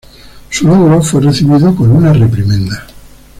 Su logro fue recibido con una reprimenda.